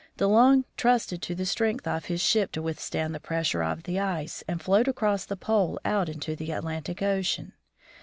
De Long trusted to the strength of his ship to withstand the pressure of the ice, and float across the pole out into the Atlantic ocean.